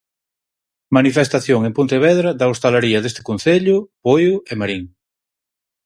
Manifestación en Pontevedra da hostalaría deste concello, Poio e Marín.